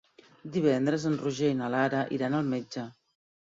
Divendres en Roger i na Lara iran al metge.